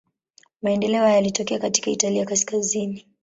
Maendeleo hayo yalitokea katika Italia kaskazini.